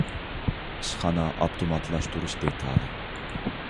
ئىشخانا ئاپتوماتلاشتۇرۇش دېتالى